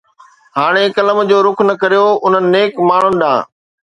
ھاڻي قلم جو رخ نه ڪريو انھن نيڪ ماڻھن ڏانھن.